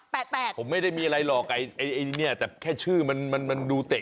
ผมไม่ได้มีอะไรหรอกแต่ชื่อมันดูเต็ก